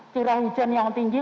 cairan hujan yang tinggi